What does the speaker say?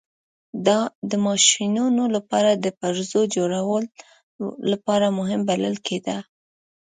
د ماشینونو لپاره د پرزو جوړولو لپاره مهم بلل کېده.